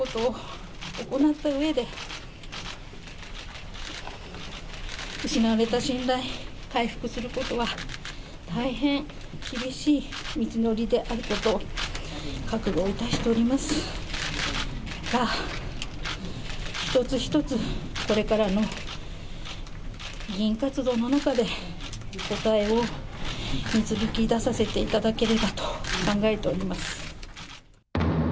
このことを行ったうえで、失われた信頼、回復することは、大変厳しい道のりであることを覚悟をいたしておりますが、一つ一つこれからの議員活動の中で答えを導き出させていただければと考えております。